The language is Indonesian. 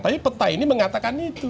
tapi peta ini mengatakan itu